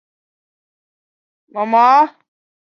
头戴式通话器规范将声音传送到蓝芽耳机设备。